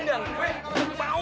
buat jangan kemau